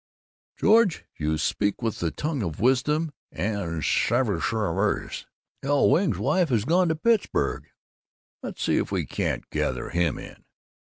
"George, you speak with the tongue of wisdom and sagashiteriferousness. El Wing's wife has gone on to Pittsburg. Let's see if we can't gather him in."